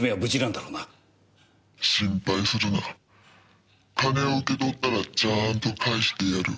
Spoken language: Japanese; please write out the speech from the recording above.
「心配するな」「金を受け取ったらちゃんと返してやる」